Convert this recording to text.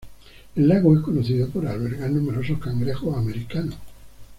El lago es conocido por albergar numerosos cangrejos americanos.